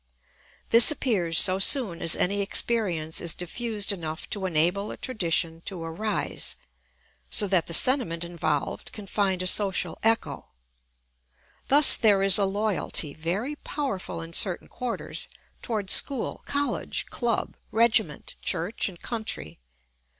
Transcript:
This appears so soon as any experience is diffused enough to enable a tradition to arise, so that the sentiment involved can find a social echo. Thus there is a loyalty, very powerful in certain quarters, toward school, college, club, regiment, church, and country.